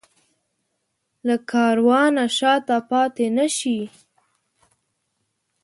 له کاروانه شاته پاتې نه شي.